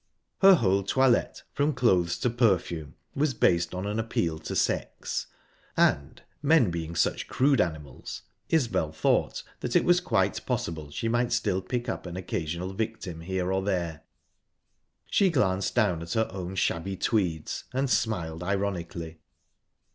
Her whole toilette, from clothes to perfume, was based on an appeal to sex, and, men being such crude animals, Isbel thought that it was quite possible she might still pick up an occasional victim here or there...She glanced down at her own shabby tweeds, and smiled ironically.